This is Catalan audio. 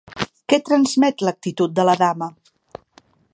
Què transmet l'actitud de la dama?